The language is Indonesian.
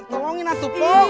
tolongin atuh pok